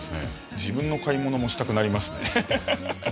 自分の買い物もしたくなりますねエヘヘ。